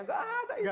nggak ada itu